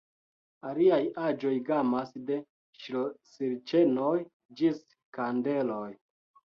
Aliaj aĵoj gamas de ŝlosilĉenoj ĝis kandeloj.